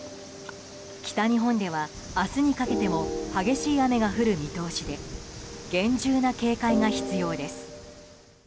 北日本では明日にかけても激しい雨が降る見通しで厳重な警戒が必要です。